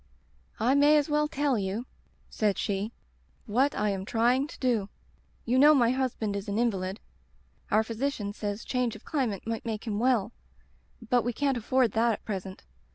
"*I may as well tell you/ said she, *what I am trying to do. You know my husband is an invalid. Our physician says change of climate might make him well, but we can't afford that at present.